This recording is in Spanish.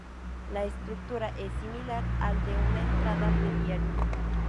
La estructura es similar al de una entrada de diario.